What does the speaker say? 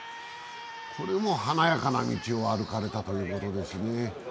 これも華やかな道を歩かれたということですね。